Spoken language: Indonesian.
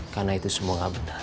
karena itu semua gak benar